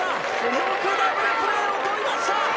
よくダブルプレーを取りました。